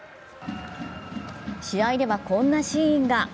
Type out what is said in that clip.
試合ではこんなシーンが。